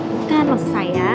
bukan rumah saya